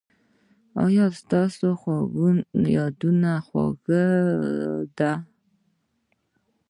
ایا ستاسو یادونه خوږه ده؟